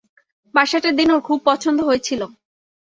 বাসাটা দিনুর খুব পছন্দ হয়েছিল।